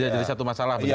jadi satu masalah